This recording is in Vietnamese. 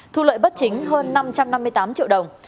thu lợi bất chính hơn năm trăm năm mươi tám triệu đồng